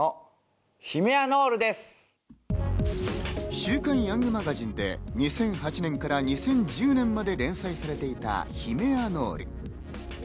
『週刊ヤングマガジン』で２００８年から２０１０年まで連載されていた『ヒメアノル』。